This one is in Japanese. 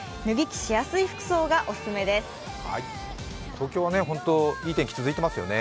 東京はいい天気、続いてますよね。